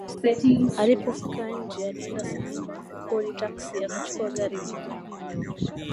Alipofika nje alienda sehemu ya kukodi taksi akachukua gari moja